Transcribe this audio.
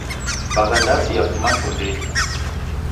Bagha ndazi yafuma chondenyi.